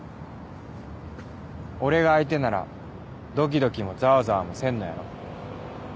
俺が相手ならドキドキもざわざわもせんのやろ？